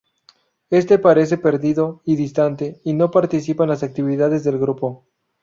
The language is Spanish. Este parece perdido y distante y no participa en las actividades del grupo.